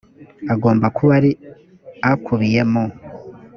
agomba kuba ari akubiye mu